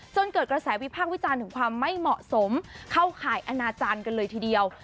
จนเกิดกระแสวิพากษ์วิจารณ์ถึงความไม่เหมาะสมเข้าข่ายอนาจารย์กันเลยทีเดียว